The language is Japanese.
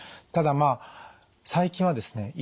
ただまあ最近はですね